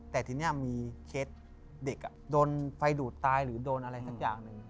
แต่ทีนี้มีเคสเด็กโดนไฟดูดตายหรือโดนอะไรสักอย่างหนึ่ง